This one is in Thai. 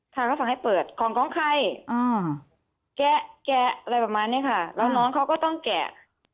ทางเขาสั่งให้เปิดของของใครแกะแกะอะไรประมาณนี้ค่ะแล้วน้องเขาก็ต้องแกะ